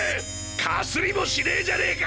かすりもしねえじゃねぇか！